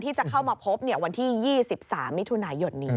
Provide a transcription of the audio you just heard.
ที่จะเข้ามาพบวันที่๒๓มิถุนายนนี้